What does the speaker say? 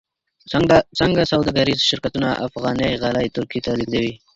څنګه سوداګریز شرکتونه افغاني غالۍ ترکیې ته لیږدوي؟